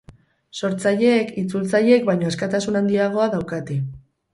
Sortzaileak itzultzaileek baino askatasun handiagoa daukate.